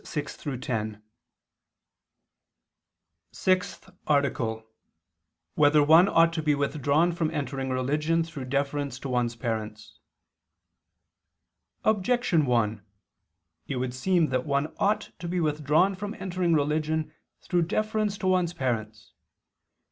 _______________________ SIXTH ARTICLE [II II, Q. 189, Art. 6] Whether One Ought to Be Withdrawn from Entering Religion Through Deference to One's Parents? Objection 1: It would seem that one ought to be withdrawn from entering religion through deference to one's parents.